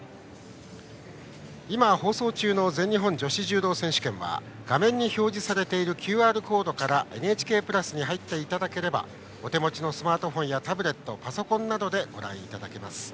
今、放送中の全日本女子柔道選手権は画面に表示されているＱＲコードから「ＮＨＫプラス」に入っていただければお手持ちのスマートフォンやタブレットパソコンなどでご覧いただけます。